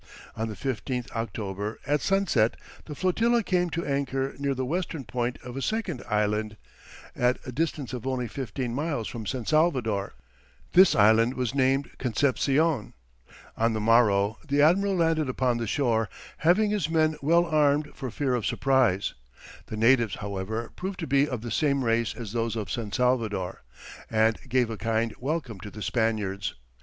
On the 15th October, at sunset, the flotilla came to anchor near the western point of a second island, at a distance of only fifteen miles from San Salvador; this island was named Conception; on the morrow the admiral landed upon the shore, having his men well armed for fear of surprise; the natives, however, proved to be of the same race as those of San Salvador, and gave a kind welcome to the Spaniards.